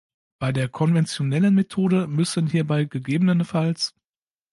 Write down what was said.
Bei der konventionellen Methode müssen hierbei ggf.